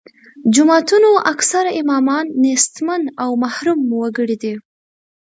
جوماتونو اکثره امامان نیستمن او محروم وګړي دي.